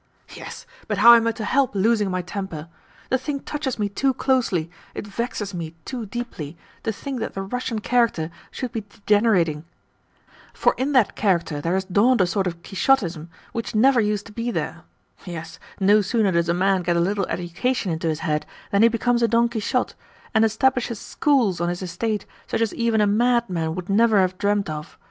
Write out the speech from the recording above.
"Yes, but how am I to help losing my temper? The thing touches me too closely, it vexes me too deeply to think that the Russian character should be degenerating. For in that character there has dawned a sort of Quixotism which never used to be there. Yes, no sooner does a man get a little education into his head than he becomes a Don Quixote, and establishes schools on his estate such as even a madman would never have dreamed of.